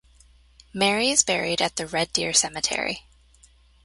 Merry is buried at the Red Deer Cemetery.